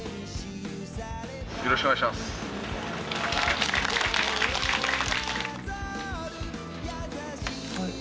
よろしくお願いします。